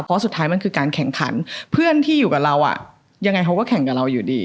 เพราะสุดท้ายมันคือการแข่งขันเพื่อนที่อยู่กับเราอ่ะยังไงเขาก็แข่งกับเราอยู่ดี